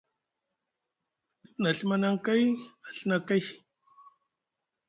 Dif na Ɵimani aŋ kay a Ɵina kay,